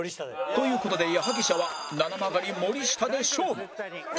という事で矢作舎はななまがり森下で勝負